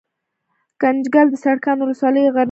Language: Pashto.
ګنجګل دسرکاڼو ولسوالۍ يو غرنۍ سيمه ده